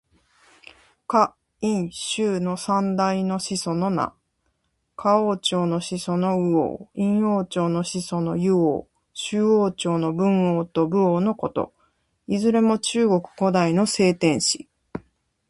夏、殷、周の三代の始祖の名。夏王朝の始祖の禹王。殷王朝の始祖の湯王。周王朝の文王と武王のこと。いずれも中国古代の聖天子。